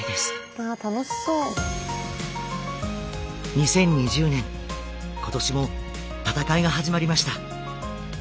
２０２０年今年も戦いが始まりました。